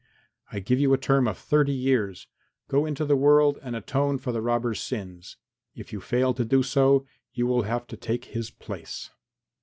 I give you a term of thirty years. Go into the world and atone for the robber's sins; if you fail to do so, you will have to take his place."